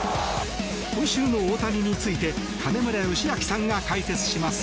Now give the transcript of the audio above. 今週の大谷について金村義明さんが解説します。